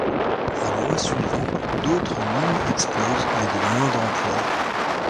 Les mois suivants, d'autres mines explosent mais de moindre ampleur.